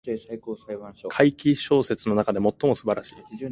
怪奇小説の中で最も素晴らしい